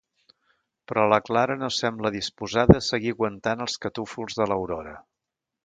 Però la Clara no sembla disposada a seguir aguantant els catúfols de l'Aurora.